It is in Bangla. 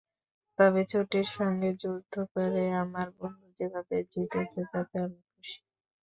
তবে চোটের সঙ্গে যুদ্ধ করে আমার বন্ধু যেভাবে জিতেছে, তাতে আমি খুশি।